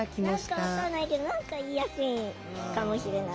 何か分かんないけど何か言いやすいんかもしれない。